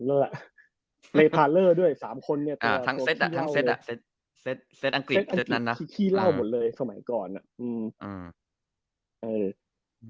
เว้นเกอร์ก็มีผล